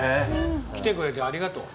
来てくれてありがとう。